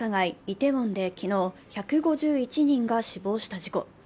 イテウォンで昨日、１５１人が死亡した事故。